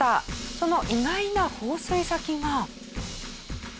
その意外な放水先が。